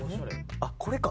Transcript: あっこれか。